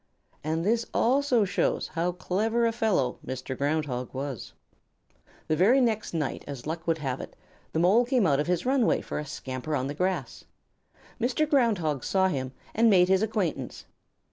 And this also shows how clever a fellow Mr. Ground Hog was. The very next night, as luck would have it, the Mole came out of his runway for a scamper on the grass. Mr. Ground Hog saw him and made his acquaintance.